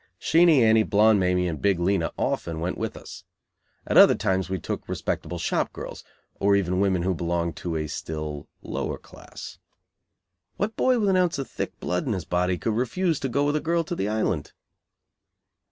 Sheenie Annie, Blonde Mamie and Big Lena often went with us. At other times we took respectable shop girls, or even women who belonged to a still lower class. What boy with an ounce of thick blood in his body could refuse to go with a girl to the Island?